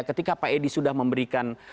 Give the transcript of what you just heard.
ketika pak edi sudah memberikan